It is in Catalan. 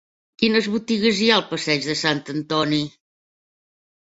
Quines botigues hi ha al passeig de Sant Antoni?